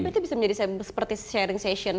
jadi itu bisa menjadi sharing session